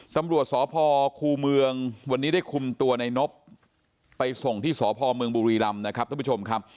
ตำรวจสพคูเมืองวันนี้ได้คุมตัวในนบไปส่งที่สพเมืองบุรีรำนะครับท่านผู้ชมครับ